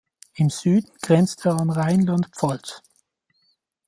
Im Süden grenzt er an Rheinland-Pfalz.